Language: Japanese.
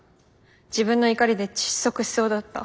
自分の怒りで窒息しそうだった。